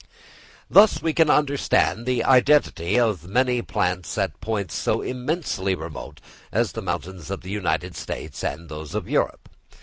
Thus we can understand the identity of many plants at points so immensely remote as the mountains of the United States and those of Europe.